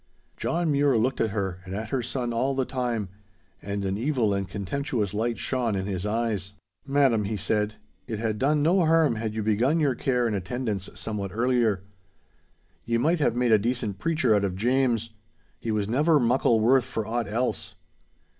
John Mure looked at her and at her son all the time, and an evil and contemptuous light shone in his eyes. 'Madam,' he said, 'it had done no harm had you begun your care and attendance somewhat earlier. Ye might have made a decent preacher out of James. He was never muckle worth for aught else.